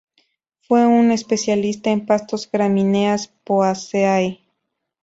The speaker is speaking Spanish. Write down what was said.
Fue un especialista en pastos gramíneas Poaceae.